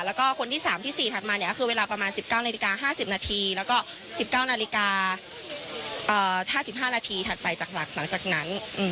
แล้วก็คนที่๓ที่๔ถัดมาเนี่ยก็คือเวลาประมาณ๑๙นาฬิกา๕๐นาทีแล้วก็๑๙นาฬิกา๕๕นาทีถัดไปจากหลักหลังจากนั้น